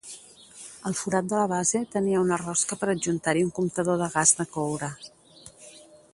El forat de la base tenia una rosca per adjuntar-hi un comptador de gas de coure.